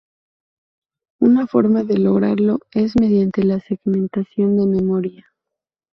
Una forma de lograrlo es mediante la segmentación de memoria.